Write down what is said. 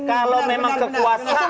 kalau memang kekuasaan